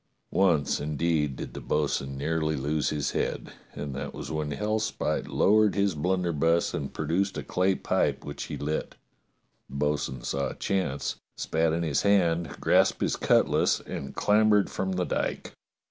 Once, indeed, did the bo'sun nearly lose his 214 DOCTOR SYN head, and that was when Hellspite lowered his blunder buss and produced a clay pipe which he lit. The bo'sun saw a chance, spat in his hand, grasped his cutlass, and clambered from the dyke.